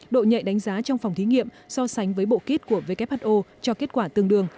độ nhạy đánh giá trong phòng thí nghiệm so sánh với bộ kít của who cho kết quả tương đương